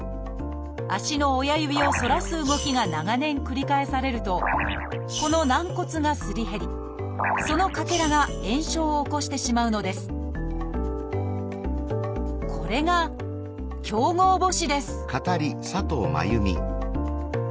足の親指を反らす動きが長年繰り返されるとこの軟骨がすり減りそのかけらが炎症を起こしてしまうのですこれが「強剛母趾」です